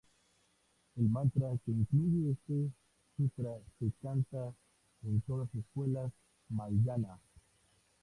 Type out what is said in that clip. El mantra que incluye este sutra se canta en todas escuelas Mahāyāna.